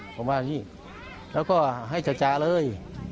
ผมว่าพี่แล้วก็ให้จาเลย